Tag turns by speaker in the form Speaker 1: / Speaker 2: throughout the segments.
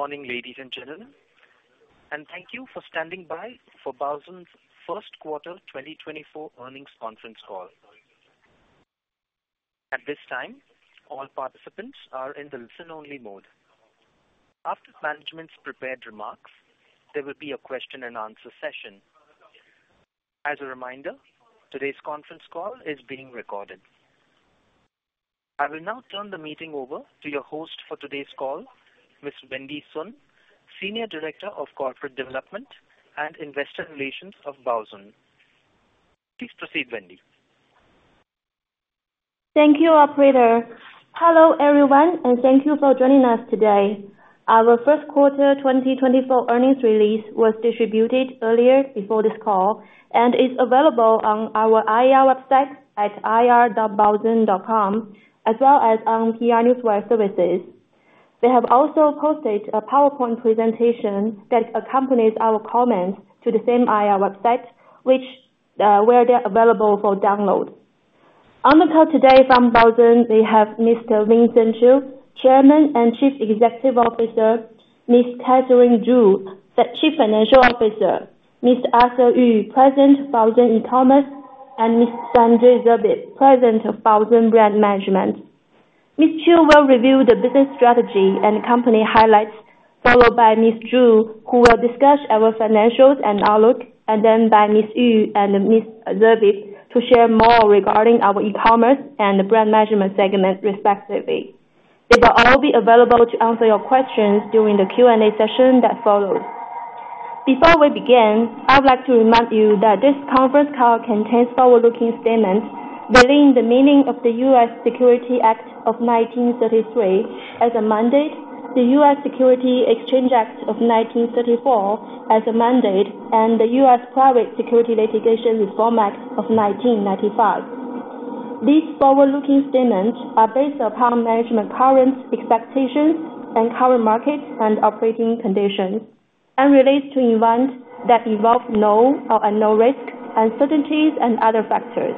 Speaker 1: Good morning, ladies and gentlemen, and thank you for standing by for Baozun's first quarter 2024 earnings conference call. At this time, all participants are in the listen-only mode. After management's prepared remarks, there will be a question and answer session. As a reminder, today's conference call is being recorded. I will now turn the meeting over to your host for today's call, Ms. Wendy Sun, Senior Director of Corporate Development and Investor Relations of Baozun. Please proceed, Wendy.
Speaker 2: Thank you, operator. Hello, everyone, and thank you for joining us today. Our first quarter 2024 earnings release was distributed earlier before this call, and is available on our IR website at ir.baozun.com, as well as on PR Newswire services. We have also posted a PowerPoint presentation that accompanies our comments to the same IR website, which, where they're available for download. On the call today from Baozun, we have Mr. Vincent Qiu, Chairman and Chief Executive Officer, Ms. Catherine Zhu, the Chief Financial Officer, Mr. Arthur Yu, President, Baozun E-Commerce, and Ms. Sandrine Zerbib, President of Baozun Brand Management. Mr. Qiu will review the business strategy and company highlights, followed by Ms. Zhu, who will discuss our financials and outlook, and then by Mr. Yu and Ms. Zerbib to share more regarding our e-commerce and brand management segment, respectively. They will all be available to answer your questions during the Q&A session that follows. Before we begin, I'd like to remind you that this conference call contains forward-looking statements within the meaning of the U.S. Securities Act of 1933, as amended, the U.S. Securities Exchange Act of 1934, as amended, and the Private Securities Litigation Reform Act of 1995. These forward-looking statements are based upon management's current expectations and current market and operating conditions, and relates to events that involve known or unknown risks, uncertainties and other factors,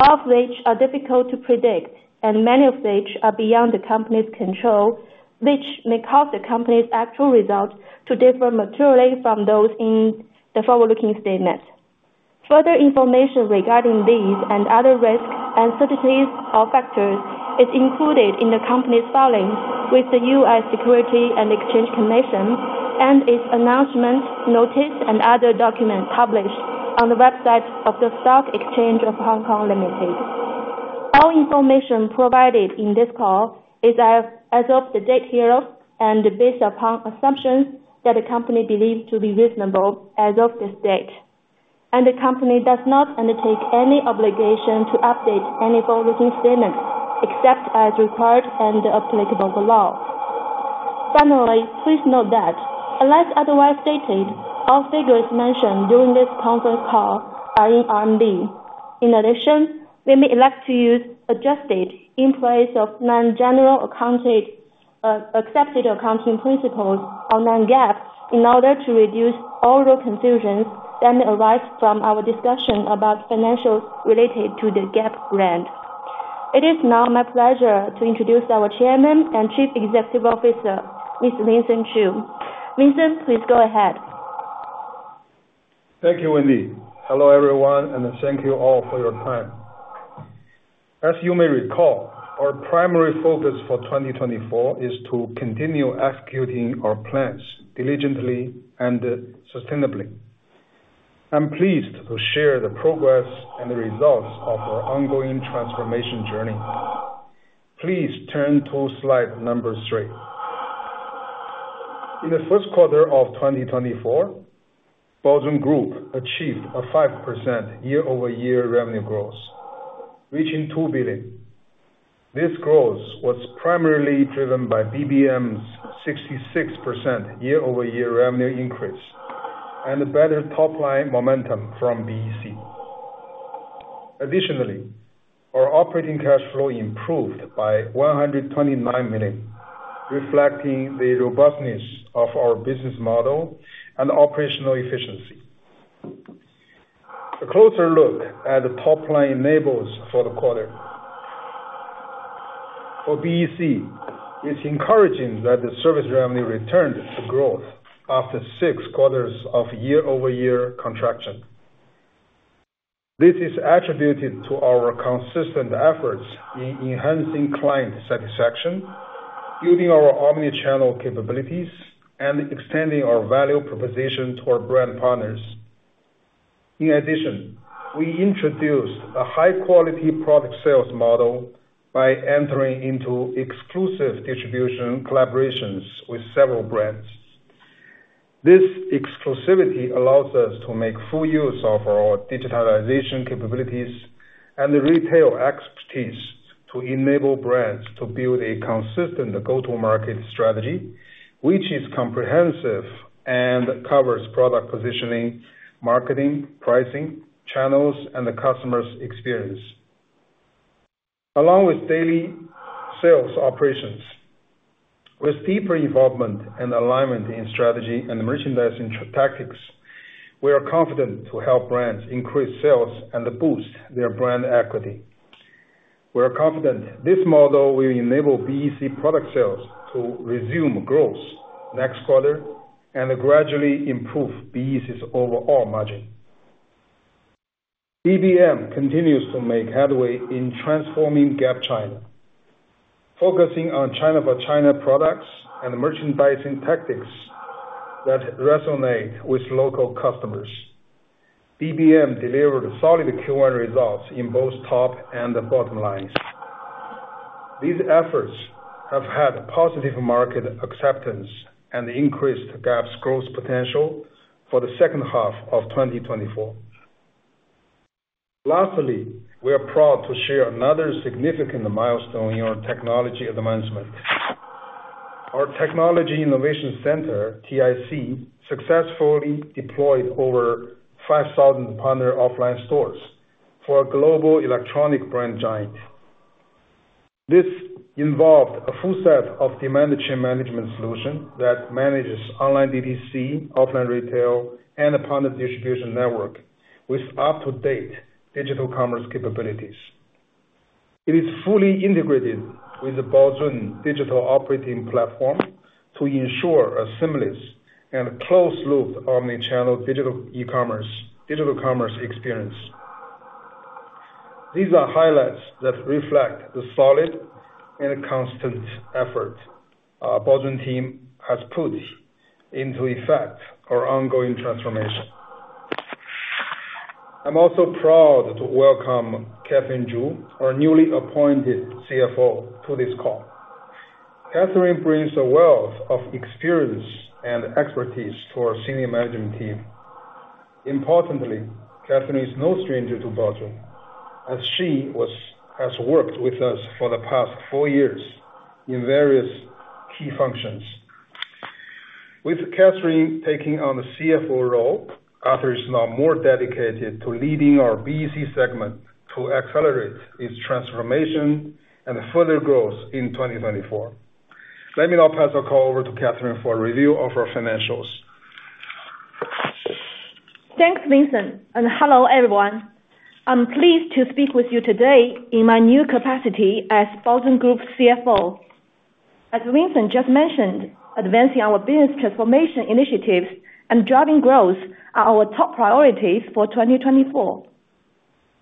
Speaker 2: all of which are difficult to predict, and many of which are beyond the company's control, which may cause the company's actual results to differ materially from those in the forward-looking statements. Further information regarding these and other risks, uncertainties, or factors is included in the company's filings with the US Securities and Exchange Commission and its announcements, notices, and other documents published on the website of the Stock Exchange of Hong Kong Limited. All information provided in this call is as of the date hereof, and based upon assumptions that the company believes to be reasonable as of this date. The company does not undertake any obligation to update any forward-looking statements, except as required under applicable law. Finally, please note that unless otherwise stated, all figures mentioned during this conference call are in RMB. In addition, we may elect to use adjusted in place of non-generally accepted accounting principles or non-GAAP, in order to reduce all the confusions that arise from our discussion about financials related to the Gap brand. It is now my pleasure to introduce our Chairman and Chief Executive Officer, Mr. Vincent Qiu. Vincent, please go ahead.
Speaker 3: Thank you, Wendy. Hello, everyone, and thank you all for your time. As you may recall, our primary focus for 2024 is to continue executing our plans diligently and sustainably. I'm pleased to share the progress and the results of our ongoing transformation journey. Please turn to slide three. In the first quarter of 2024, Baozun Group achieved a 5% year-over-year revenue growth, reaching 2 billion. This growth was primarily driven by BBM's 66% year-over-year revenue increase, and better top-line momentum from BEC. Additionally, our operating cash flow improved by 129 million, reflecting the robustness of our business model and operational efficiency. A closer look at the top-line numbers for the quarter. For BEC, it's encouraging that the service revenue returned to growth after six quarters of year-over-year contraction. This is attributed to our consistent efforts in enhancing client satisfaction, building our omni-channel capabilities, and extending our value proposition to our brand partners. In addition, we introduced a high-quality product sales model by entering into exclusive distribution collaborations with several brands. This exclusivity allows us to make full use of our digitalization capabilities and the retail expertise to enable brands to build a consistent go-to-market strategy, which is comprehensive and covers product positioning, marketing, pricing, channels, and the customer's experience. Along with daily sales operations, with deeper involvement and alignment in strategy and merchandising tactics, we are confident to help brands increase sales and boost their brand equity... We are confident this model will enable BEC product sales to resume growth next quarter and gradually improve BEC's overall margin. BBM continues to make headway in transforming Gap China, focusing on China for China products and merchandising tactics that resonate with local customers. BBM delivered solid Q1 results in both top and the bottom lines. These efforts have had positive market acceptance and increased Gap's growth potential for the second half of 2024. Lastly, we are proud to share another significant milestone in our technology advancement. Our Technology Innovation Center, TIC, successfully deployed over 5,000 partner offline stores for a global electronic brand giant. This involved a full set of demand chain management solution that manages online DTC, offline retail, and partner distribution network with up-to-date digital commerce capabilities. It is fully integrated with the Baozun digital operating platform to ensure a seamless and closed-loop omni-channel digital e-commerce, digital commerce experience. These are highlights that reflect the solid and constant effort Baozun team has put into effect our ongoing transformation. I'm also proud to welcome Catherine Zhu, our newly appointed CFO, to this call. Catherine brings a wealth of experience and expertise to our senior management team. Importantly, Catherine is no stranger to Baozun, as she has worked with us for the past four years in various key functions. With Catherine taking on the CFO role, Arthur is now more dedicated to leading our BEC segment to accelerate its transformation and further growth in 2024. Let me now pass the call over to Catherine for a review of our financials.
Speaker 4: Thanks, Vincent, and hello, everyone. I'm pleased to speak with you today in my new capacity as Baozun Group's CFO. As Vincent just mentioned, advancing our business transformation initiatives and driving growth are our top priorities for 2024.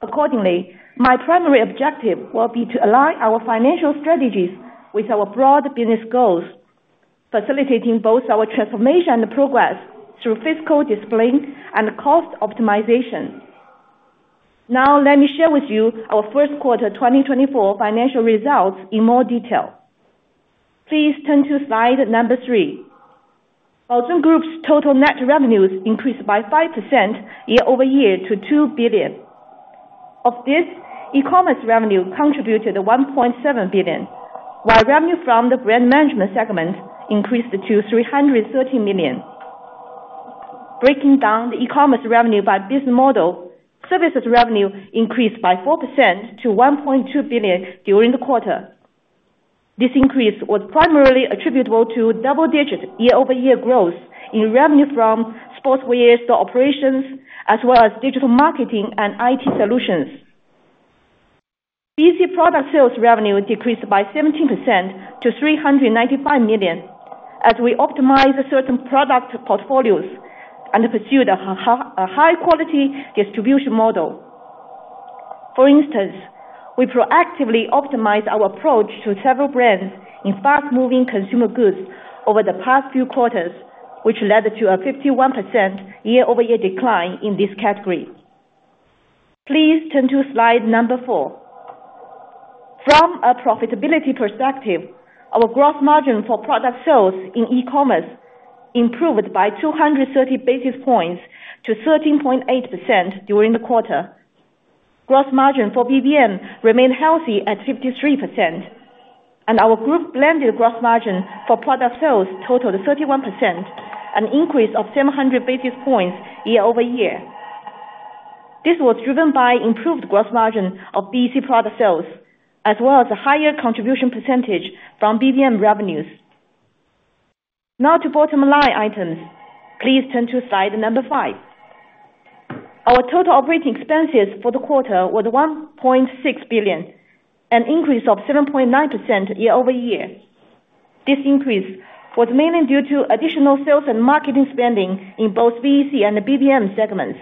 Speaker 4: Accordingly, my primary objective will be to align our financial strategies with our broad business goals, facilitating both our transformation and progress through fiscal discipline and cost optimization. Now, let me share with you our first quarter 2024 financial results in more detail. Please turn to slide number three. Baozun Group's total net revenues increased by 5% year-over-year to 2 billion. Of this, e-commerce revenue contributed 1.7 billion, while revenue from the brand management segment increased to 313 million. Breaking down the e-commerce revenue by business model, services revenue increased by 4% to 1.2 billion during the quarter. This increase was primarily attributable to double-digit year-over-year growth in revenue from sportswear store operations, as well as digital marketing and IT solutions. BEC product sales revenue decreased by 17% to 395 million, as we optimized certain product portfolios and pursued a high-quality distribution model. For instance, we proactively optimized our approach to several brands in fast-moving consumer goods over the past few quarters, which led to a 51% year-over-year decline in this category. Please turn to slide four. From a profitability perspective, our gross margin for product sales in e-commerce improved by 230 basis points to 13.8% during the quarter. Gross margin for BBM remained healthy at 53%, and our group blended gross margin for product sales totaled 31%, an increase of 700 basis points year over year. This was driven by improved gross margin of BEC product sales, as well as a higher contribution percentage from BBM revenues. Now to bottom line items. Please turn to slide number five. Our total operating expenses for the quarter were 1.6 billion, an increase of 7.9% year-over-year. This increase was mainly due to additional sales and marketing spending in both BEC and the BBM segments,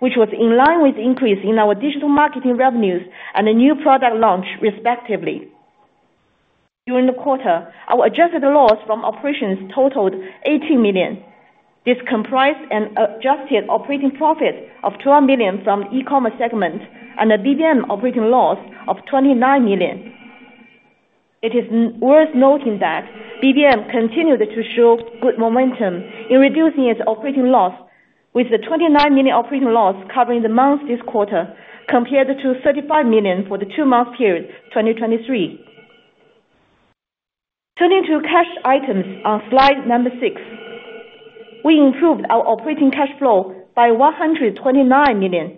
Speaker 4: which was in line with the increase in our digital marketing revenues and a new product launch, respectively. During the quarter, our adjusted loss from operations totaled 80 million. This comprised an adjusted operating profit of 12 million from e-commerce segment and a BBM operating loss of 29 million. It is worth noting that BBM continued to show good momentum in reducing its operating loss, with the 29 million operating loss covering the months this quarter, compared to 35 million for the two-month period, 2023. Turning to cash items on slide number six. We improved our operating cash flow by 129 million,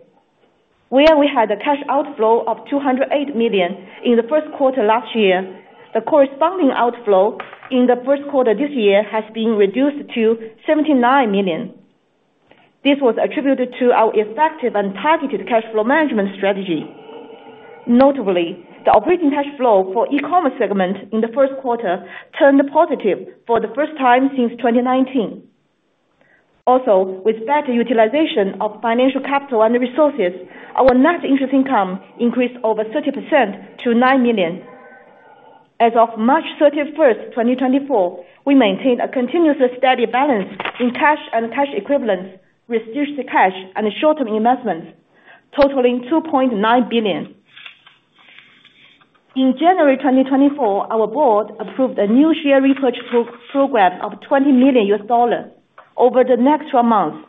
Speaker 4: where we had a cash outflow of 208 million in the first quarter last year. The corresponding outflow in the first quarter this year has been reduced to 79 million. This was attributed to our effective and targeted cash flow management strategy. Notably, the operating cash flow for e-commerce segment in the first quarter turned positive for the first time since 2019. Also, with better utilization of financial capital and resources, our net interest income increased over 30% to 9 million. As of March 31, 2024, we maintained a continuously steady balance in cash and cash equivalents, with cash and short-term investments totaling 2.9 billion. In January 2024, our board approved a new share repurchase program of $20 million over the next 12 months.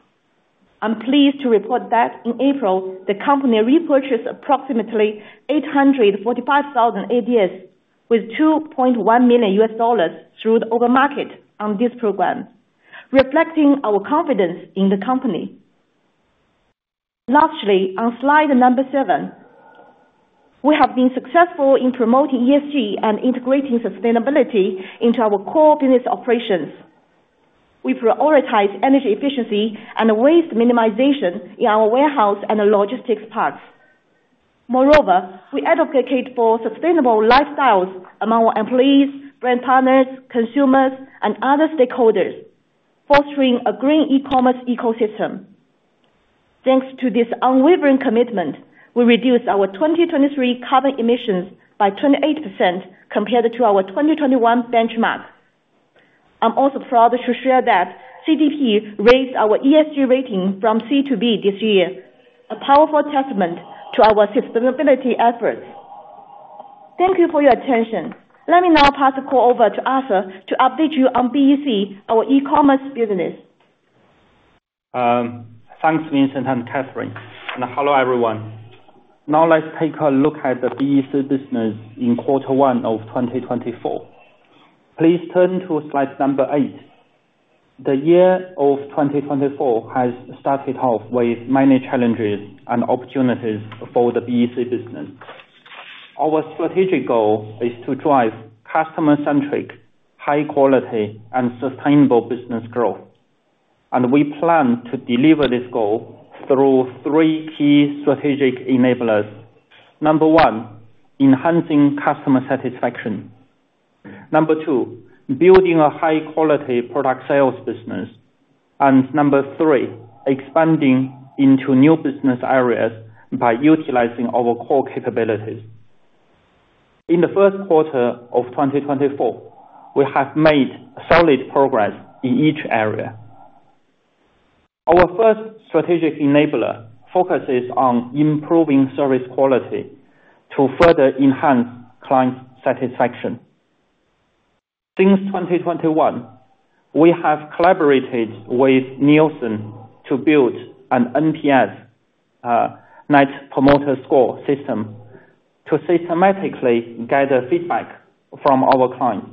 Speaker 4: I'm pleased to report that in April, the company repurchased approximately 845,000 ADS, with $2.1 million through the open market on this program, reflecting our confidence in the company. Lastly, on slide seven, we have been successful in promoting ESG and integrating sustainability into our core business operations. We prioritize energy efficiency and waste minimization in our warehouse and logistics parks. Moreover, we advocate for sustainable lifestyles among our employees, brand partners, consumers, and other stakeholders, fostering a green e-commerce ecosystem. Thanks to this unwavering commitment, we reduced our 2023 carbon emissions by 28% compared to our 2021 benchmark. I'm also proud to share that CDP raised our ESG rating from C to B this year, a powerful testament to our sustainability efforts. Thank you for your attention. Let me now pass the call over to Arthur to update you on BEC, our e-commerce business.
Speaker 5: Thanks, Vincent and Catherine, and hello, everyone. Now let's take a look at the BEC business in quarter one of 2024. Please turn to slide eight. The year of 2024 has started off with many challenges and opportunities for the BEC business. Our strategic goal is to drive customer-centric, high quality, and sustainable business growth, and we plan to deliver this goal through three key strategic enablers. Number one, enhancing customer satisfaction. Number two, building a high-quality product sales business. Number three, expanding into new business areas by utilizing our core capabilities. In the first quarter of 2024, we have made solid progress in each area. Our first strategic enabler focuses on improving service quality to further enhance client satisfaction. Since 2021, we have collaborated with Nielsen to build an NPS, Net Promoter Score system, to systematically gather feedback from our clients.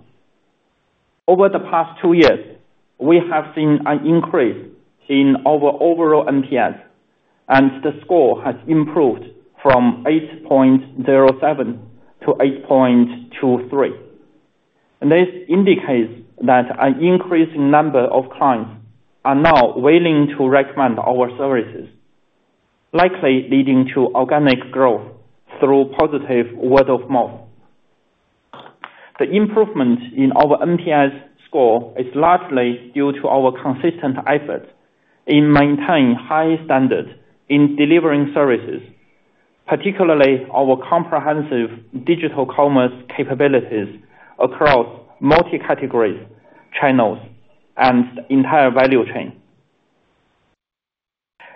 Speaker 5: Over the past two years, we have seen an increase in our overall NPS, and the score has improved from 8.07 to 8.23. This indicates that an increasing number of clients are now willing to recommend our services, likely leading to organic growth through positive word of mouth. The improvement in our NPS score is largely due to our consistent efforts in maintaining high standards in delivering services, particularly our comprehensive digital commerce capabilities across multi-category channels and entire value chain.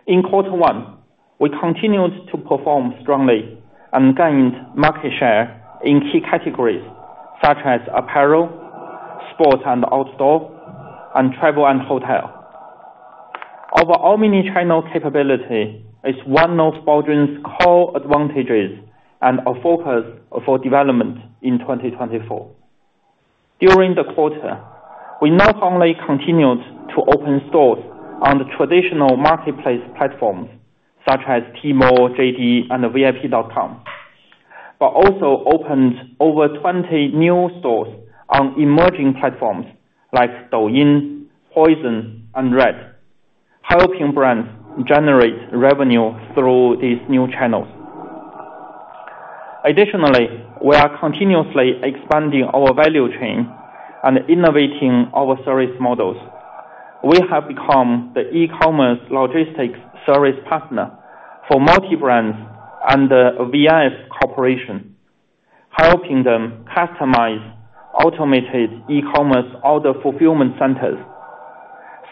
Speaker 5: In quarter one, we continued to perform strongly and gained market share in key categories such as apparel, sport and outdoor, and travel and hotel. Our omnichannel capability is one of Baozun's core advantages and a focus for development in 2024. During the quarter, we not only continued to open stores on the traditional marketplace platforms such as Tmall, JD, and VIP.com, but also opened over 20 new stores on emerging platforms like Douyin, POIZON, and RED, helping brands generate revenue through these new channels. Additionally, we are continuously expanding our value chain and innovating our service models. We have become the e-commerce logistics service partner for multi-brands and VF Corporation, helping them customize automated e-commerce order fulfillment centers,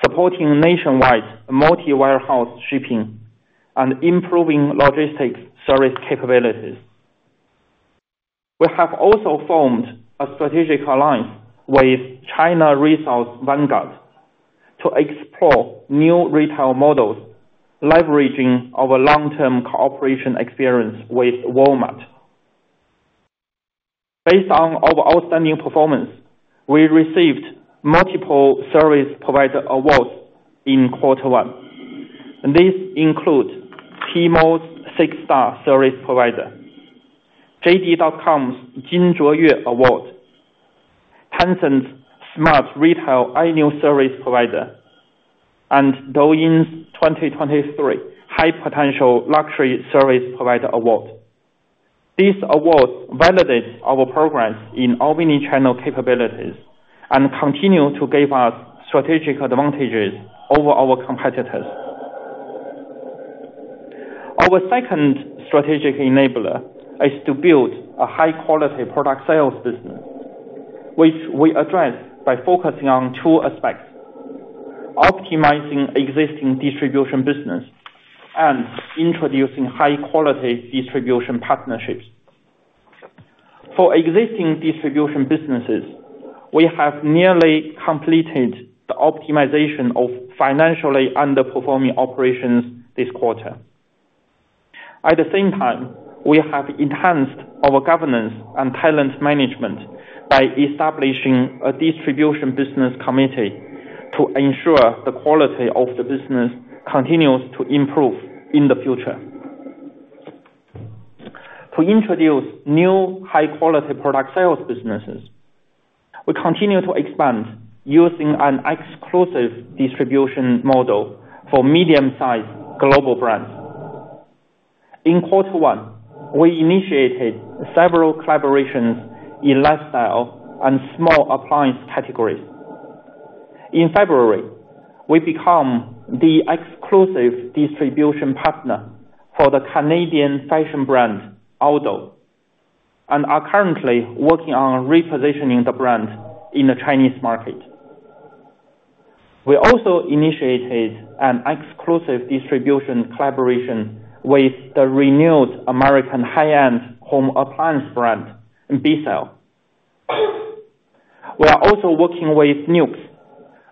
Speaker 5: supporting nationwide multi-warehouse shipping, and improving logistics service capabilities. We have also formed a strategic alliance with China Resources Vanguard to explore new retail models, leveraging our long-term cooperation experience with Walmart. Based on our outstanding performance, we received multiple service provider awards in quarter one. These include Tmall's Six-Star Service Provider, JD.com's Jing Zhuoyue Award. Tencent's Smart Retail Annual Service Provider, and Douyin's 2023 High Potential Luxury Service Provider Award. These awards validates our progress in omni-channel capabilities and continue to give us strategic advantages over our competitors. Our second strategic enabler is to build a high-quality product sales business, which we address by focusing on two aspects: optimizing existing distribution business and introducing high-quality distribution partnerships. For existing distribution businesses, we have nearly completed the optimization of financially underperforming operations this quarter. At the same time, we have enhanced our governance and talent management by establishing a distribution business committee to ensure the quality of the business continues to improve in the future. To introduce new high-quality product sales businesses, we continue to expand using an exclusive distribution model for medium-sized global brands. In quarter one, we initiated several collaborations in lifestyle and small appliance categories. In February, we become the exclusive distribution partner for the Canadian fashion brand, ALDO, and are currently working on repositioning the brand in the Chinese market. We also initiated an exclusive distribution collaboration with the renewed American high-end home appliance brand, BISSELL. We are also working with NUXE,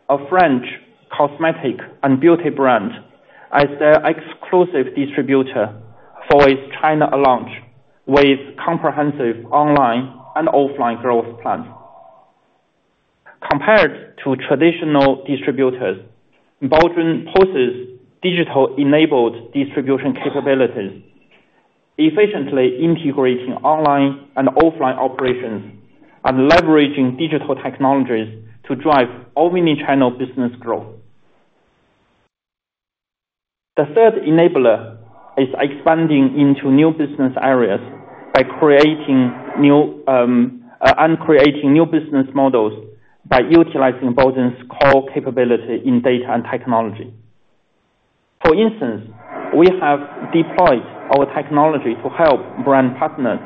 Speaker 5: a French cosmetic and beauty brand, as their exclusive distributor for its China launch, with comprehensive online and offline growth plan. Compared to traditional distributors, Baozun Group poses digital-enabled distribution capabilities, efficiently integrating online and offline operations and leveraging digital technologies to drive omni-channel business growth. The third enabler is expanding into new business areas by creating new, and creating new business models by utilizing Baozun Group's core capability in data and technology. For instance, we have deployed our technology to help brand partners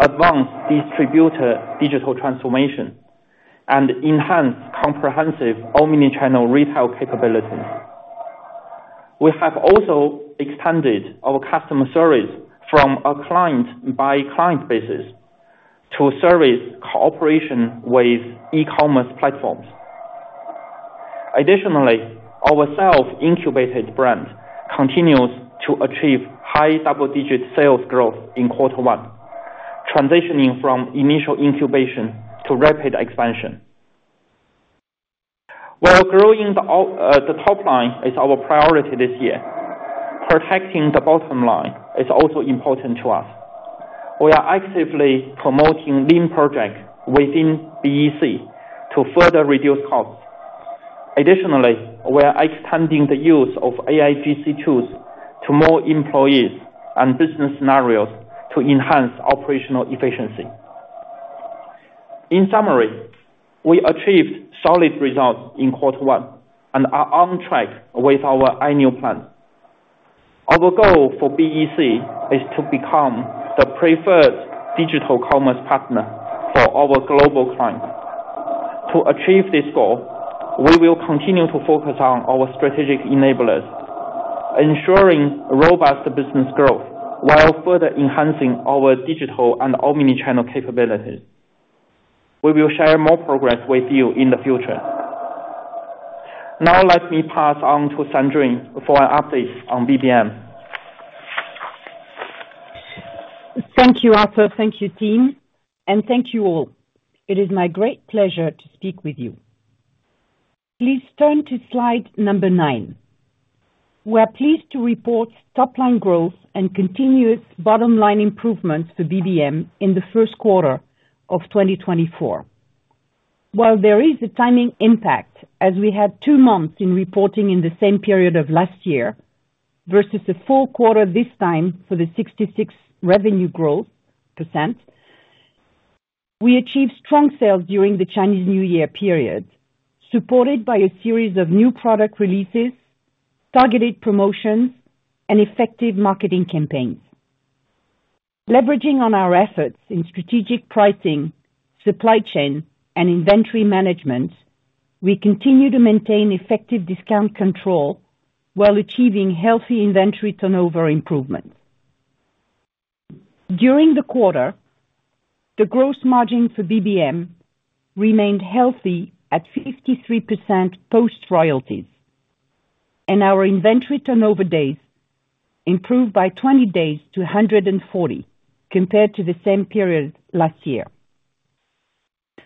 Speaker 5: advance distributor digital transformation and enhance comprehensive omni-channel retail capabilities. We have also expanded our customer service from a client-by-client basis to service cooperation with e-commerce platforms. Additionally, our self-incubated brand continues to achieve high double-digit sales growth in quarter one, transitioning from initial incubation to rapid expansion. While growing the top line is our priority this year, protecting the bottom line is also important to us. We are actively promoting lean projects within BEC to further reduce costs. Additionally, we are extending the use of AIGC tools to more employees and business scenarios to enhance operational efficiency. In summary, we achieved solid results in quarter one and are on track with our annual plan. Our goal for BEC is to become the preferred digital commerce partner for our global clients. To achieve this goal, we will continue to focus on our strategic enablers, ensuring robust business growth while further enhancing our digital and omni-channel capabilities. We will share more progress with you in the future. Now, let me pass on to Sandrine for an update on BBM.
Speaker 6: Thank you, Arthur. Thank you, team, and thank you all. It is my great pleasure to speak with you. Please turn to slide number nine. We are pleased to report top line growth and continuous bottom line improvements to BBM in the first quarter of 2024. While there is a timing impact, as we had two months in reporting in the same period of last year, versus the full quarter this time for the 66% revenue growth, we achieved strong sales during the Chinese New Year period, supported by a series of new product releases, targeted promotions, and effective marketing campaigns. Leveraging on our efforts in strategic pricing, supply chain, and inventory management, we continue to maintain effective discount control while achieving healthy inventory turnover improvements. During the quarter, the gross margin for BBM remained healthy at 53% post-royalties, and our inventory turnover days improved by 20 days to 140 compared to the same period last year.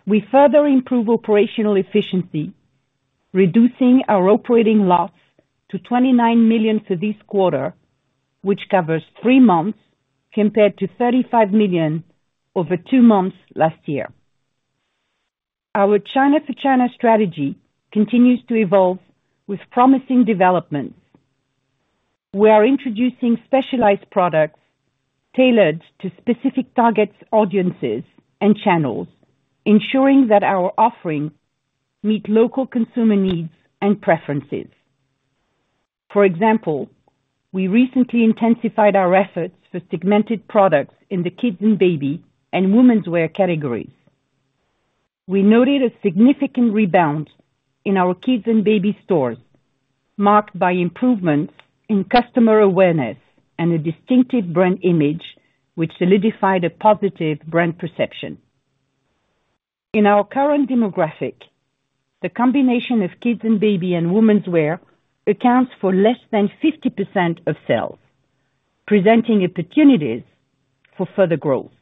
Speaker 6: We further improve operational efficiency, reducing our operating loss to 29 million for this quarter, which covers three months compared to 35 million over two months last year. Our China for China strategy continues to evolve with promising developments. We are introducing specialized products tailored to specific target audiences and channels, ensuring that our offerings meet local consumer needs and preferences. For example, we recently intensified our efforts for segmented products in the kids and baby and womenswear categories. We noted a significant rebound in our kids and baby stores, marked by improvements in customer awareness and a distinctive brand image, which solidified a positive brand perception. In our current demographic, the combination of kids and baby and womenswear accounts for less than 50% of sales, presenting opportunities for further growth.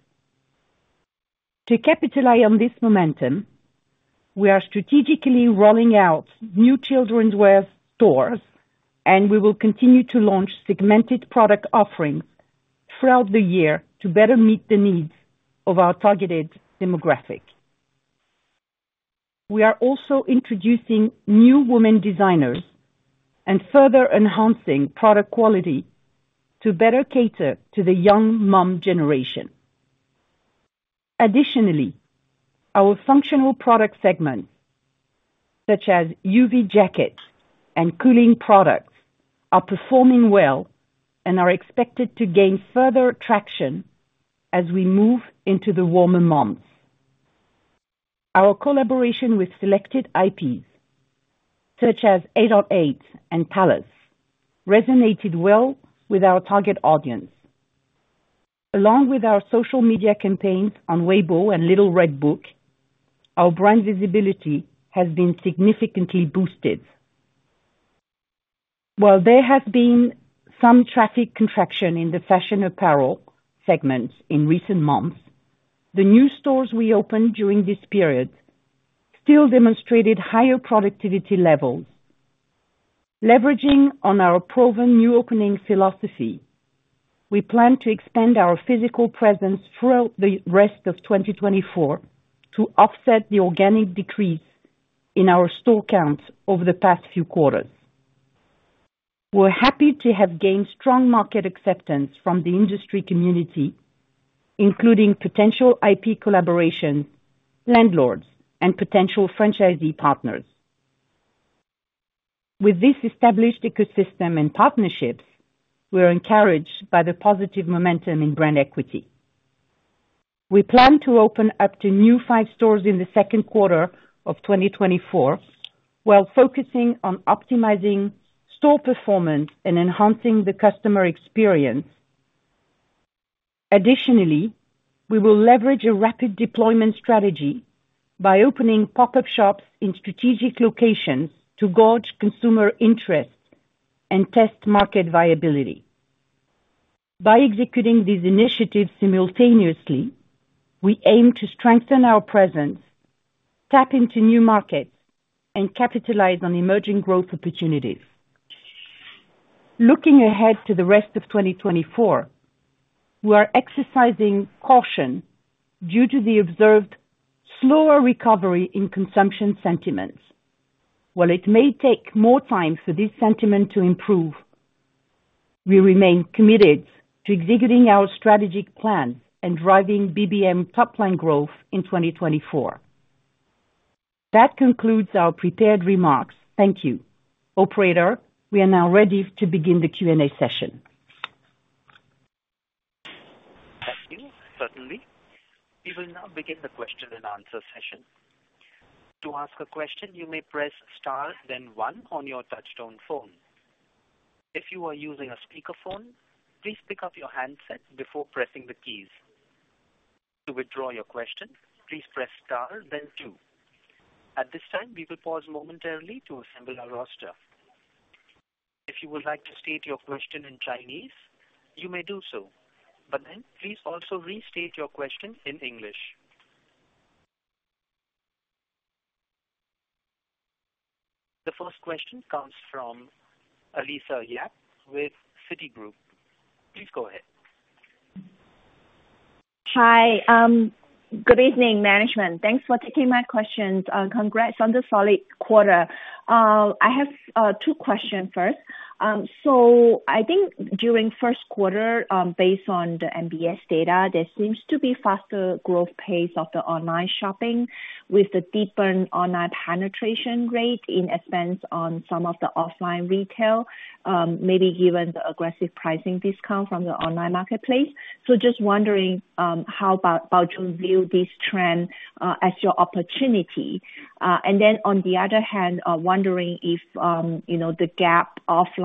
Speaker 6: To capitalize on this momentum, we are strategically rolling out new children's wear stores, and we will continue to launch segmented product offerings throughout the year to better meet the needs of our targeted demographic. We are also introducing new women designers and further enhancing product quality to better cater to the young mom generation. Additionally, our functional product segments, such as UV jackets and cooling products, are performing well and are expected to gain further traction as we move into the warmer months. Our collaboration with selected IPs, such as 8ON8 and Palace, resonated well with our target audience. Along with our social media campaigns on Weibo and Little Red Book, our brand visibility has been significantly boosted. While there has been some traffic contraction in the fashion apparel segment in recent months, the new stores we opened during this period still demonstrated higher productivity levels. Leveraging on our proven new opening philosophy, we plan to expand our physical presence throughout the rest of 2024 to offset the organic decrease in our store counts over the past few quarters. We're happy to have gained strong market acceptance from the industry community, including potential IP collaborations, landlords, and potential franchisee partners. With this established ecosystem and partnerships, we are encouraged by the positive momentum in brand equity. We plan to open up to five new stores in the second quarter of 2024, while focusing on optimizing store performance and enhancing the customer experience. Additionally, we will leverage a rapid deployment strategy by opening pop-up shops in strategic locations to gauge consumer interest and test market viability. By executing these initiatives simultaneously, we aim to strengthen our presence, tap into new markets, and capitalize on emerging growth opportunities. Looking ahead to the rest of 2024, we are exercising caution due to the observed slower recovery in consumption sentiments. While it may take more time for this sentiment to improve, we remain committed to executing our strategic plan and driving BBM top line growth in 2024. That concludes our prepared remarks. Thank you. Operator, we are now ready to begin the Q&A session.
Speaker 1: Thank you. Certainly. We will now begin the question and answer session. To ask a question, you may press star, then one on your touchtone phone. If you are using a speakerphone, please pick up your handset before pressing the keys. To withdraw your question, please press star, then two. At this time, we will pause momentarily to assemble our roster. If you would like to state your question in Chinese, you may do so, but then please also restate your question in English. The first question comes from Alicia Yap with Citigroup. Please go ahead.
Speaker 7: Hi. Good evening, management. Thanks for taking my questions. Congrats on the solid quarter. I have two questions first. So I think during first quarter, based on the MBS data, there seems to be faster growth pace of the online shopping with the deeper online penetration rate in advance on some of the offline retail, maybe given the aggressive pricing discount from the online marketplace. So just wondering, how to view this trend as your opportunity? And then on the other hand, wondering if, you know, the Gap offline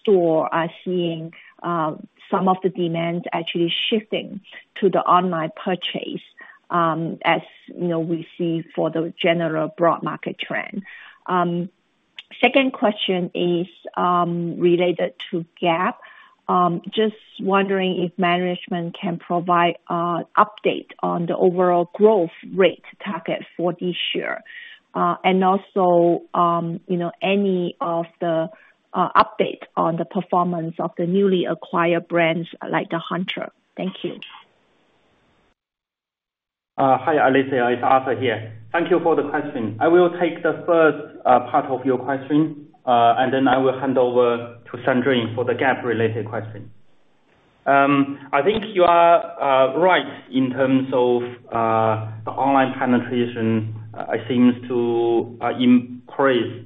Speaker 7: store are seeing some of the demands actually shifting to the online purchase, as, you know, we see for the general broad market trend. Second question is related to Gap. Just wondering if management can provide update on the overall growth rate target for this year. And also, you know, any of the update on the performance of the newly acquired brands, like the Hunter. Thank you.
Speaker 5: Hi, Alicia, it's Arthur here. Thank you for the question. I will take the first part of your question, and then I will hand over to Sandrine for the Gap-related question. I think you are right in terms of the online penetration, it seems to increase,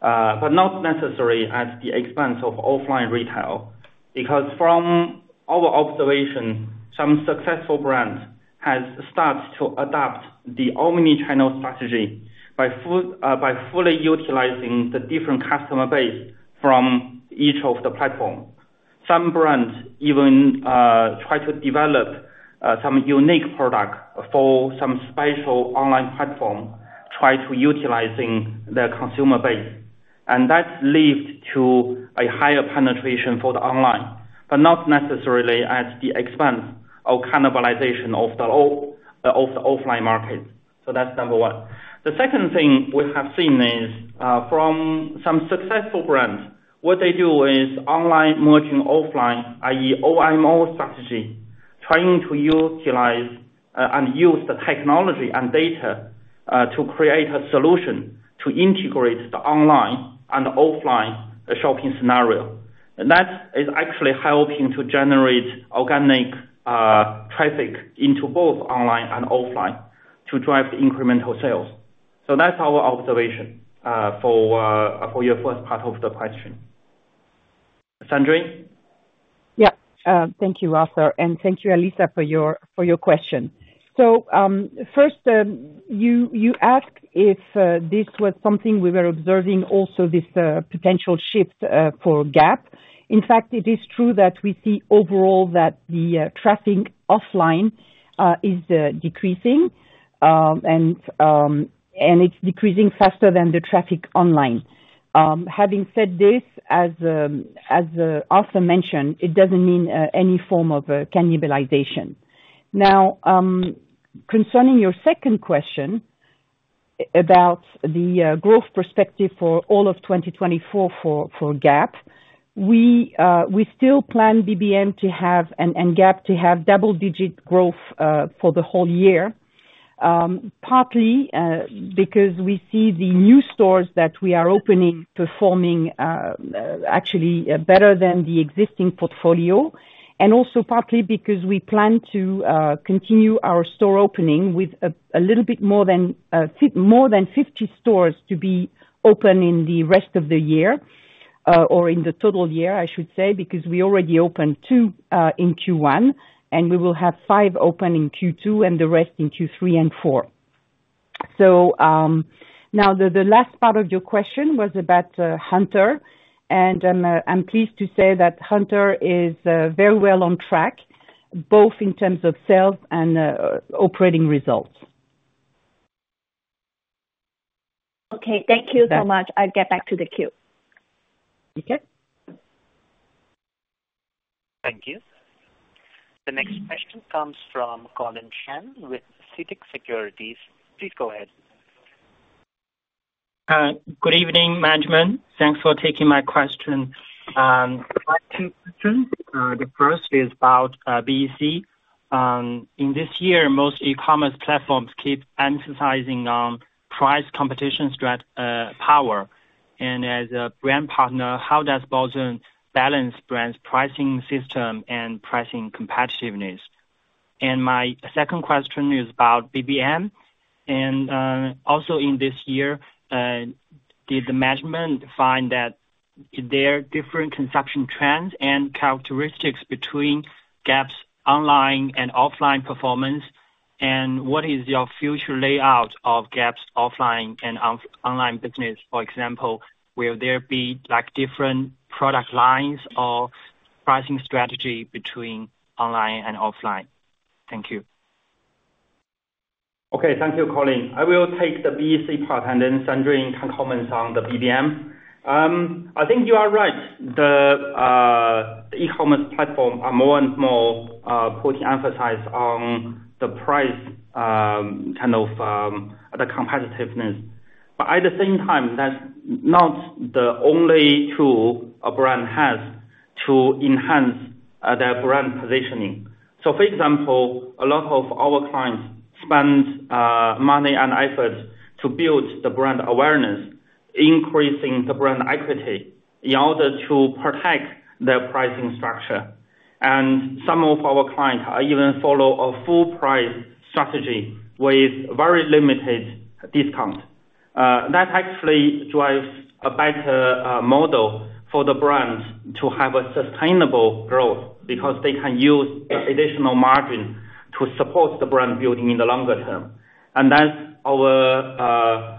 Speaker 5: but not necessarily at the expense of offline retail. Because from our observation, some successful brands has started to adopt the omni-channel strategy by full, by fully utilizing the different customer base from each of the platform. Some brands even try to develop some unique product for some special online platform, try to utilizing their consumer base. And that's lead to a higher penetration for the online, but not necessarily at the expense or cannibalization of the offline market. So that's number one. The second thing we have seen is, from some successful brands, what they do is online merging offline, i.e., OMO strategy, trying to utilize and use the technology and data to create a solution to integrate the online and offline shopping scenario. That is actually helping to generate organic traffic into both online and offline, to drive the incremental sales. That's our observation for your first part of the question. Sandrine?
Speaker 6: Yeah. Thank you, Arthur, and thank you, Alicia, for your, for your question. So, first, you, you asked if, this was something we were observing also, this, potential shift, for Gap. In fact, it is true that we see overall that the, traffic offline, is, decreasing, and, and it's decreasing faster than the traffic online. Having said this, as, as, Arthur mentioned, it doesn't mean, any form of, cannibalization. Now, concerning your second question, about the, growth perspective for all of 2024 for, for Gap, we, we still plan BBM to have and, and Gap to have double-digit growth, for the whole year. Partly, because we see the new stores that we are opening performing actually better than the existing portfolio, and also partly because we plan to continue our store opening with a little bit more than 50 stores to be open in the rest of the year or in the total year, I should say, because we already opened two in Q1, and we will have five open in Q2, and the rest in Q3 and Q4. So, now, the last part of your question was about Hunter, and I'm pleased to say that Hunter is very well on track, both in terms of sales and operating results.
Speaker 7: Okay, thank you so much.
Speaker 6: Bye.
Speaker 7: I'll get back to the queue.
Speaker 6: Okay.
Speaker 1: Thank you. The next question comes from Colin Shan with CITIC Securities. Please go ahead.
Speaker 8: Good evening, management. Thanks for taking my question. I have two questions. The first is about BEC. In this year, most e-commerce platforms keep emphasizing on price competition strategy power. And as a brand partner, how does Baozun balance brand's pricing system and pricing competitiveness? And my second question is about BBM. And also in this year, did the management find that there are different consumption trends and characteristics between Gap's online and offline performance? And what is your future layout of Gap's offline and online business? For example, will there be, like, different product lines or pricing strategy between online and offline? Thank you.
Speaker 5: Okay, thank you, Colin. I will take the BEC part, and then Sandrine can comment on the BBM. I think you are right. The e-commerce platform are more and more putting emphasis on the price, kind of, the competitiveness. But at the same time, that's not the only tool a brand has to enhance their brand positioning. So for example, a lot of our clients spend money and efforts to build the brand awareness, increasing the brand equity, in order to protect their pricing structure. And some of our clients are even follow a full price strategy with very limited discount. That actually drives a better model for the brands to have a sustainable growth, because they can use additional margin to support the brand building in the longer term. And that's our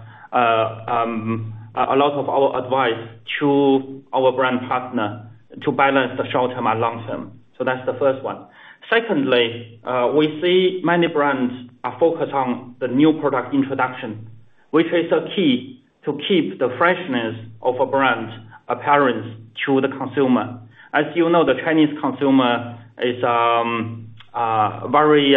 Speaker 5: a lot of our advice to our brand partner, to balance the short term and long term. So that's the first one. Secondly, we see many brands are focused on the new product introduction, which is a key to keep the freshness of a brand appearance to the consumer. As you know, the Chinese consumer is very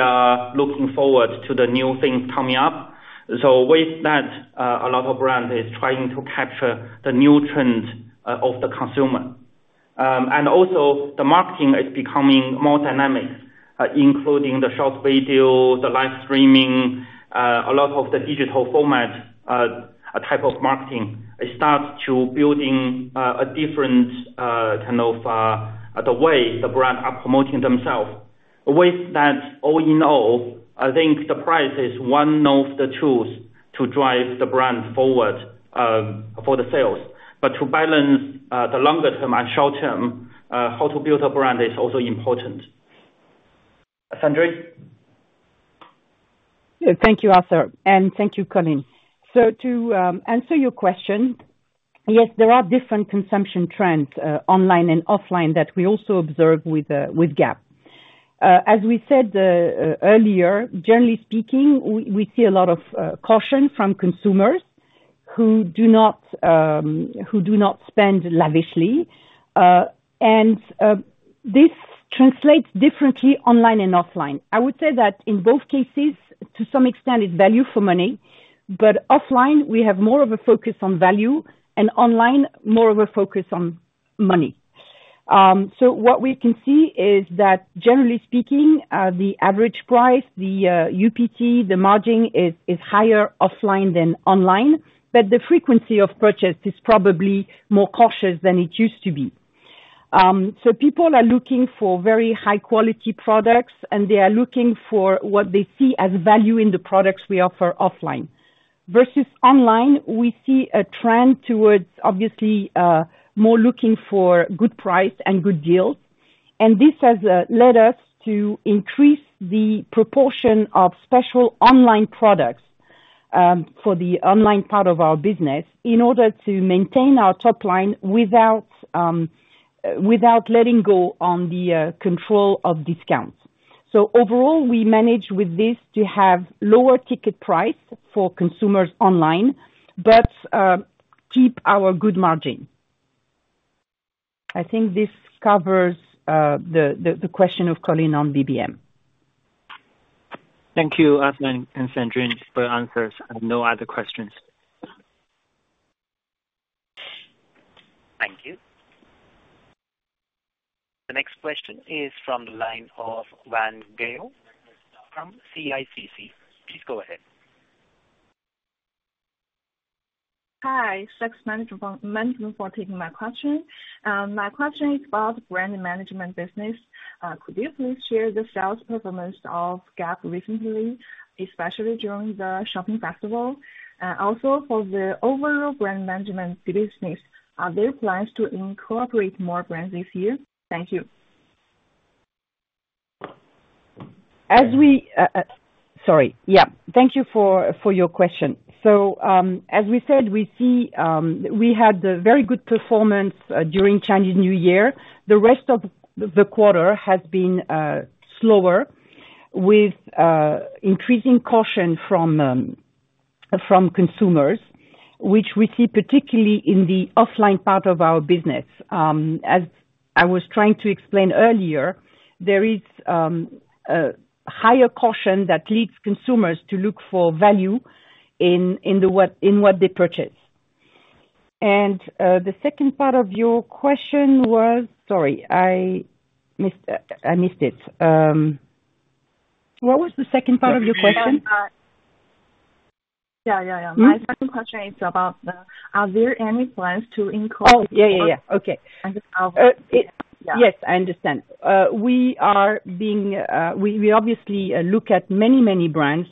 Speaker 5: looking forward to the new things coming up. With that, a lot of brand is trying to capture the new trend of the consumer. Also the marketing is becoming more dynamic, including the short video, the live streaming, a lot of the digital format type of marketing. It starts to building a different kind of the way the brand are promoting themselves. With that, all in all, I think the price is one of the tools to drive the brand forward for the sales. To balance, the longer term and short term, how to build a brand is also important. Sandrine?
Speaker 6: Thank you, Arthur, and thank you, Colin. So to answer your question, yes, there are different consumption trends online and offline that we also observe with Gap. As we said earlier, generally speaking, we see a lot of caution from consumers who do not spend lavishly. And this translates differently online and offline. I would say that in both cases, to some extent, it's value for money, but offline, we have more of a focus on value, and online, more of a focus on money. So what we can see is that generally speaking, the average price, the UPT, the margin is higher offline than online, but the frequency of purchase is probably more cautious than it used to be. So people are looking for very high quality products, and they are looking for what they see as value in the products we offer offline. Versus online, we see a trend towards obviously more looking for good price and good deals, and this has led us to increase the proportion of special online products for the online part of our business, in order to maintain our top line without letting go on the control of discounts. So overall, we manage with this to have lower ticket price for consumers online, but keep our good margin. I think this covers the question of Colin on BBM.
Speaker 8: Thank you, Arthur and Sandrine, for your answers. I have no other questions.
Speaker 1: Thank you. The next question is from the line of Wan Jiao from CICC. Please go ahead.
Speaker 9: Hi, thanks management for taking my question. My question is about brand management business. Could you please share the sales performance of Gap recently, especially during the shopping festival? Also, for the overall brand management business, are there plans to incorporate more brands this year? Thank you.
Speaker 6: As we, sorry. Yeah, thank you for your question. So, as we said, we see, we had a very good performance during Chinese New Year. The rest of the quarter has been slower with increasing caution from consumers, which we see particularly in the offline part of our business. As I was trying to explain earlier, there is a higher caution that leads consumers to look for value in what they purchase. And the second part of your question was? Sorry, I missed it. What was the second part of your question?
Speaker 9: Yeah. Yeah, yeah.
Speaker 6: Mm-hmm.
Speaker 9: My second question is about the, are there any plans to incorporate-
Speaker 6: Oh, yeah, yeah, yeah. Okay.
Speaker 9: And, yeah.
Speaker 6: Yes, I understand. We are being, we obviously look at many, many brands.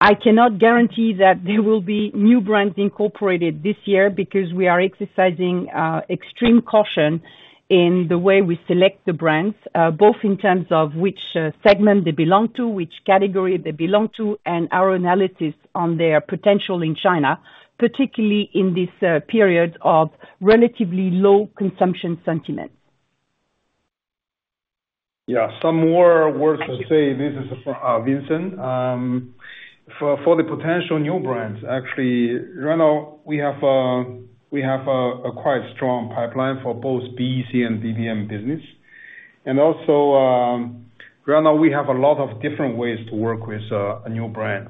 Speaker 6: I cannot guarantee that there will be new brands incorporated this year because we are exercising extreme caution in the way we select the brands, both in terms of which segment they belong to, which category they belong to, and our analysis on their potential in China, particularly in this period of relatively low consumption sentiment.
Speaker 3: Yeah, some more words to say. This is Vincent. For the potential new brands, actually, right now, we have a quite strong pipeline for both BEC and BBM business. And also, right now, we have a lot of different ways to work with a new brand.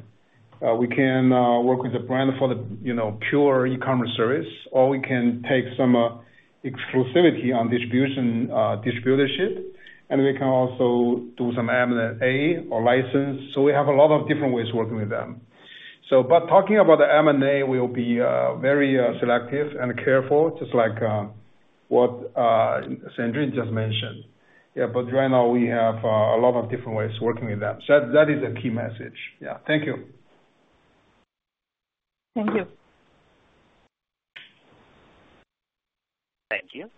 Speaker 3: We can work with the brand for the, you know, pure e-commerce service, or we can take some exclusivity on distribution, distributorship, and we can also do some M&A or license. So we have a lot of different ways of working with them. So, but talking about the M&A, we will be very selective and careful, just like what Sandrine just mentioned. Yeah, but right now we have a lot of different ways of working with them. So that is a key message. Yeah. Thank you.
Speaker 9: Thank you.
Speaker 1: Thank you.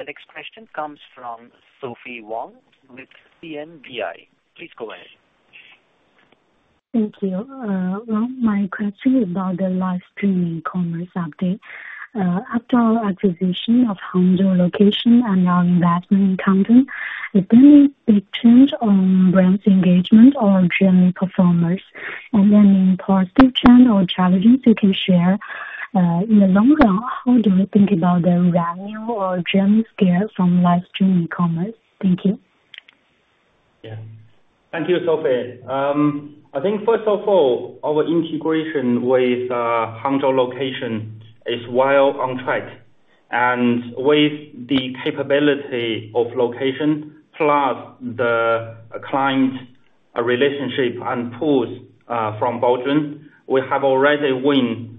Speaker 1: The next question comes from Sophie Huang with CMBI. Please go ahead.
Speaker 10: Thank you. Well, my question is about the live streaming commerce update. After acquisition of Hangzhou Location and our investment in company, if any big change on brand's engagement or GMV performers? And then in positive trend or challenges you can share, in the long run, how do you think about the revenue or GM scale from live stream e-commerce? Thank you.
Speaker 5: Yeah. Thank you, Sophie. I think first of all, our integration with Hangzhou Location is well on track, and with the capability of Location, plus the client relationship and pools from Baozun, we have already win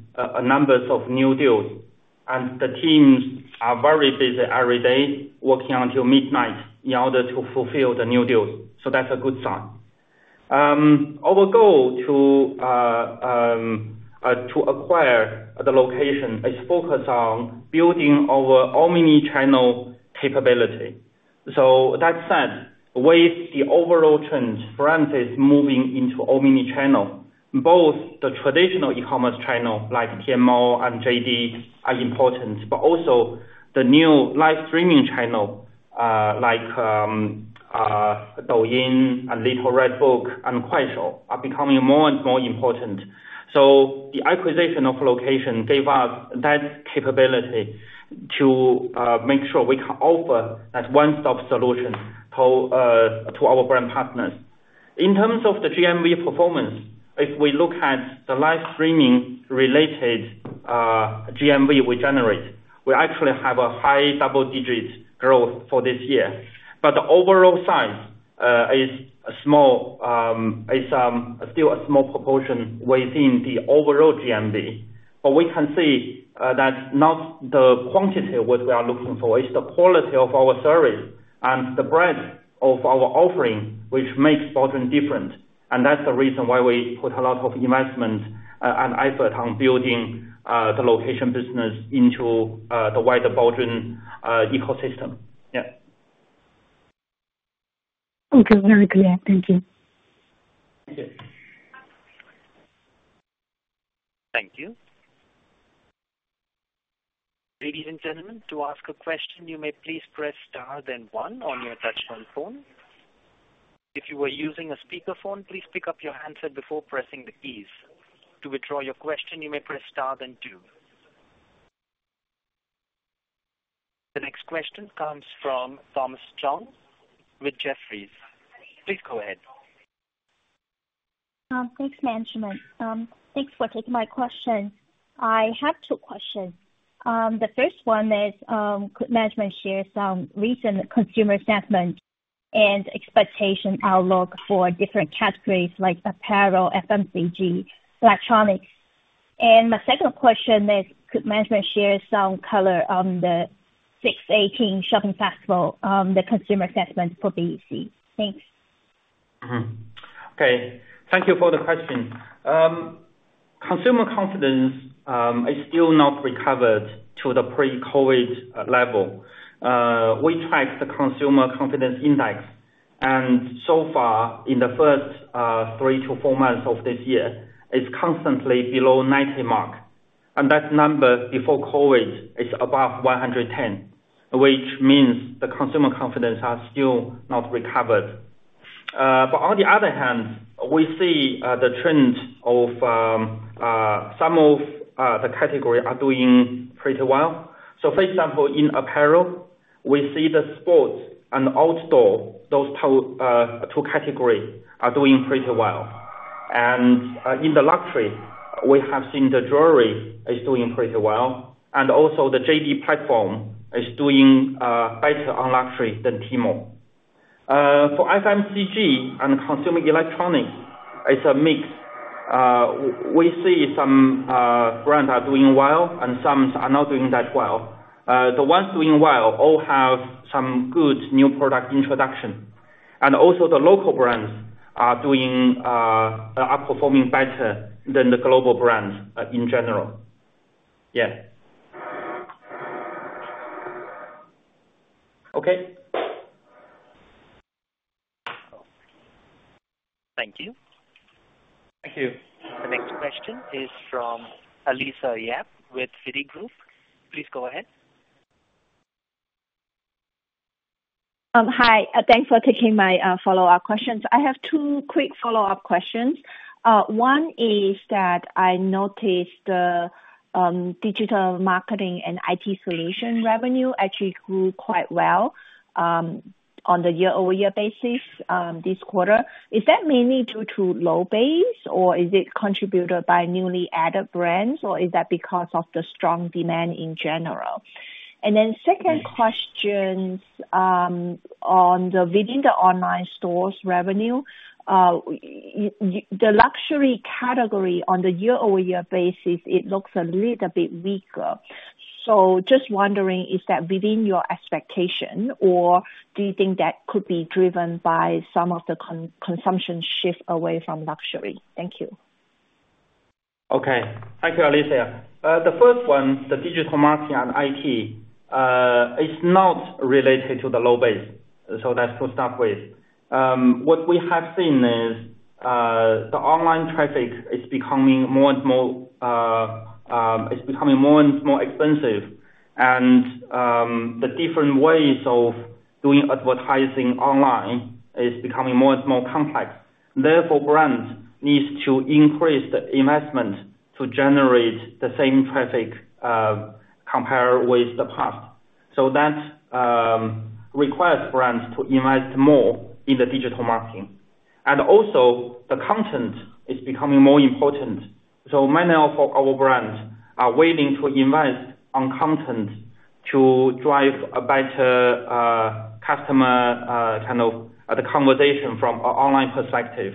Speaker 5: numbers of new deals. And the teams are very busy every day, working until midnight in order to fulfill the new deals. So that's a good sign. Our goal to acquire the Location is focused on building our omni-channel capability. So with that said, with the overall trends, brands is moving into omni-channel, both the traditional e-commerce channel, like Tmall and JD, are important, but also the new live streaming channel, like Douyin and Little Red Book and Kuaishou, are becoming more and more important. So the acquisition of Location gave us that capability to make sure we can offer that one-stop solution to to our brand partners. In terms of the GMV performance, if we look at the live streaming related GMV we generate, we actually have a high double digits growth for this year. But the overall size is small, still a small proportion within the overall GMV. But we can see, that's not the quantity what we are looking for, it's the quality of our service and the breadth of our offering, which makes Baozun different. And that's the reason why we put a lot of investment and effort on building the Location business into the wider Baozun ecosystem. Yeah.
Speaker 10: Okay. Very clear. Thank you.
Speaker 5: Thank you.
Speaker 1: Thank you. Ladies and gentlemen, to ask a question, you may please press star then one on your touchtone phone. If you are using a speakerphone, please pick up your handset before pressing the keys. To withdraw your question, you may press star then two. The next question comes from Thomas Chong with Jefferies. Please go ahead.
Speaker 11: Thanks, management. Thanks for taking my question. I have two questions. The first one is, could management share some recent consumer sentiment and expectation outlook for different categories like apparel, FMCG, electronics? And my second question is, could management share some color on the 618 shopping festival, the consumer sentiment for BEC? Thanks.
Speaker 5: Mm-hmm. Okay, thank you for the question. Consumer confidence is still not recovered to the pre-COVID level. We tracked the consumer confidence index, and so far, in the first three to four months of this year, it's constantly below 90 mark. And that number before COVID is above 110, which means the consumer confidence has still not recovered. But on the other hand, we see the trend of some of the category are doing pretty well. So for example, in apparel, we see the sports and outdoor, those two category are doing pretty well. And in the luxury, we have seen the jewelry is doing pretty well, and also the JD platform is doing better on luxury than Tmall. For FMCG and consumer electronics, it's a mix. We see some brands are doing well and some are not doing that well. The ones doing well all have some good new product introduction. And also, the local brands are performing better than the global brands in general. Yeah. Okay.
Speaker 1: Thank you.
Speaker 5: Thank you.
Speaker 1: The next question is from Alicia Yap with Citigroup. Please go ahead.
Speaker 7: Hi, thanks for taking my follow-up questions. I have two quick follow-up questions. One is that I noticed the digital marketing and IT solution revenue actually grew quite well on the year-over-year basis this quarter. Is that mainly due to low base, or is it contributed by newly added brands, or is that because of the strong demand in general? And then second questions on the within the online stores revenue the luxury category on the year-over-year basis, it looks a little bit weaker. So just wondering, is that within your expectation, or do you think that could be driven by some of the consumption shift away from luxury? Thank you.
Speaker 5: Okay. Thank you, Alicia. The first one, the digital marketing and IT, it's not related to the low base, so that's to start with. What we have seen is, the online traffic is becoming more and more, it's becoming more and more expensive. And, the different ways of doing advertising online is becoming more and more complex. Therefore, brands needs to increase the investment to generate the same traffic, compare with the past. So that, requires brands to invest more in the digital marketing. And also, the content is becoming more important. So many of our, our brands are willing to invest on content to drive a better, customer, kind of, the conversation from a online perspective.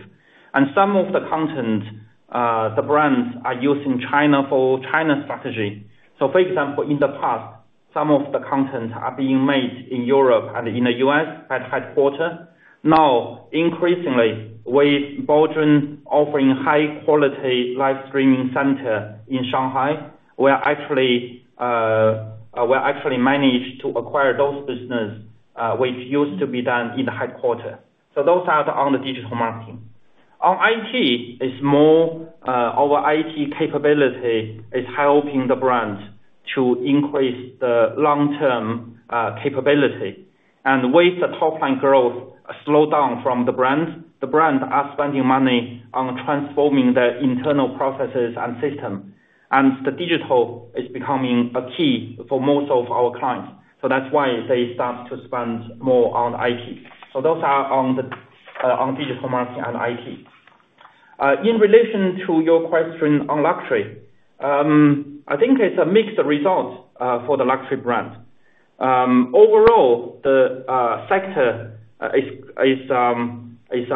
Speaker 5: And some of the content, the brands are used in China for China strategy. So, for example, in the past, some of the content are being made in Europe and in the U.S., at headquarters. Now, increasingly, with Baozun offering high quality live streaming center in Shanghai, we are actually, we actually managed to acquire those business, which used to be done in the headquarters. So those are the on the digital marketing. On IT, is more, our IT capability is helping the brands to increase the long-term capability. And with the top-line growth slow down from the brands, the brands are spending money on transforming their internal processes and system. And the digital is becoming a key for most of our clients, so that's why they start to spend more on IT. So those are on the, on digital marketing and IT. In relation to your question on luxury, I think it's a mixed result for the luxury brand. Overall, the sector is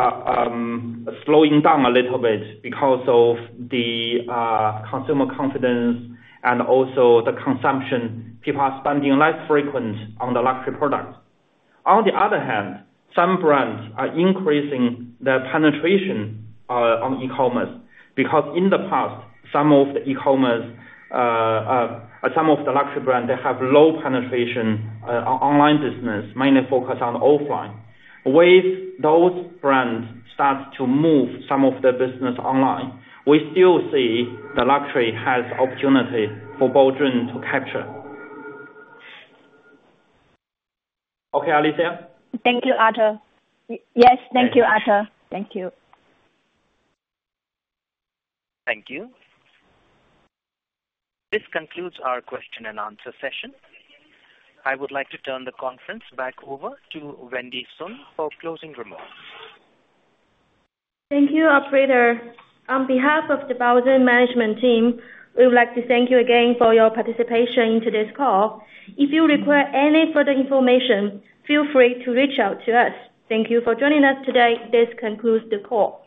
Speaker 5: slowing down a little bit because of the consumer confidence and also the consumption. People are spending less frequent on the luxury products. On the other hand, some brands are increasing their penetration on e-commerce, because in the past, some of the luxury brands, they have low penetration online business, mainly focused on offline. With those brands start to move some of their business online, we still see the luxury has opportunity for Baozun to capture. Okay, Alicia?
Speaker 7: Thank you, Arthur. Yes, thank you, Arthur. Thank you.
Speaker 1: Thank you. This concludes our question and answer session. I would like to turn the conference back over to Wendy Sun for closing remarks.
Speaker 2: Thank you, operator. On behalf of the Baozun management team, we would like to thank you again for your participation in today's call. If you require any further information, feel free to reach out to us. Thank you for joining us today. This concludes the call.